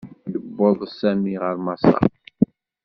Yewweḍ Sami ɣer Maṣeṛ.